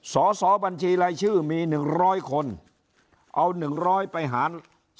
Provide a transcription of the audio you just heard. สสบัญชีรายชื่อมี๑๐๐คนเอา๑๐๐ไปหาร